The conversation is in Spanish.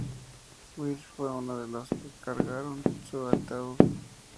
Wil fue uno de los que cargaron su ataúd.